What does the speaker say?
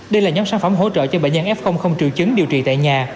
đây là nhóm sản phẩm hỗ trợ cho bệnh nhân f không triệu chứng điều trị tại nhà